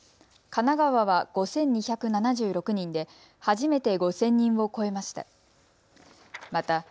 神奈川は５２７６人で初めて５０００人を超えました。